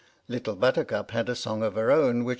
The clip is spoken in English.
Little Buttercup had a song of her own which 10 H.